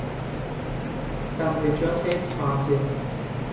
سبزیجات تازه